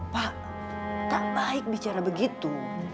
pak tak baik bicara begitu